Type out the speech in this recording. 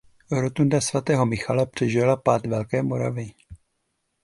Rotunda svatého Michala přežila pád Velké Moravy.